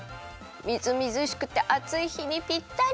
みずみずしくてあついひにぴったり！